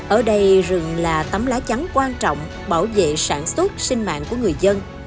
ở đây rừng là tấm lá chắn quan trọng bảo vệ sản xuất sinh mạng của người dân